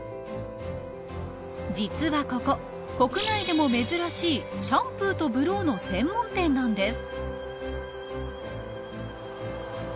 実はここ国内でも珍しいシャンプーとブローの専門店なんです。